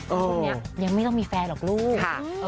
ช่วงนี้ยังไม่ต้องมีแฟนหรอกลูก